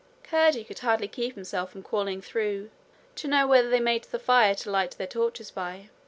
Curdie could hardly keep himself from calling through to know whether they made the fire to light their torches by.